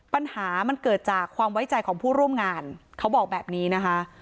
ปัญหามันเกิดจากความไว้ใจของผู้ร่วมงานเขาบอกแบบนี้นะคะ